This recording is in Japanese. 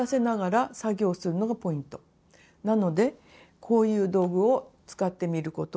なのでこういう道具を使ってみることをおすすめします。